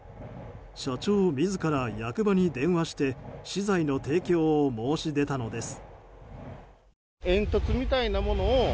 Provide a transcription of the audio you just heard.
社長自ら役場に電話して資材の提供を申し出たのです。